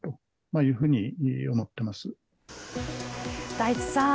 大地さん